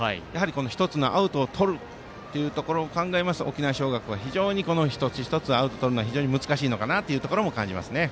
１つのアウトをとるということを考えると沖縄尚学は非常に一つ一つアウトとるのは非常に難しいのかなというところも感じますよね。